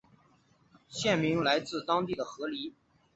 县名来自当地的河狸。